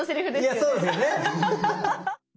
いやそうですよね。